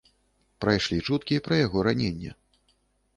Прайшлі чуткі пра яго раненне.